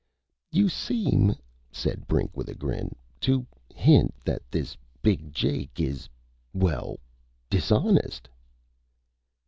"You seem," said Brink with a grin, "to hint that this Big Jake is ... well ... dishonest."